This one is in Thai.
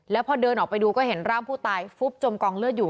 แล้วพอเดินออกไปดูก็เห็นร่างผู้ตายฟุบจมกองเลือดอยู่